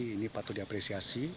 ini patut diapresiasi